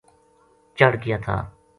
چڑھ گیا تھا